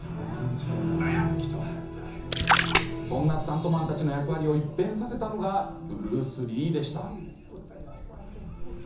そんなスタントマンたちの役割を一変させたのがブルース・リーでした。